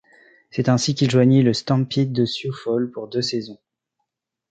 C'est ainsi qu'il joignit le Stampede de Sioux Falls pour deux saisons.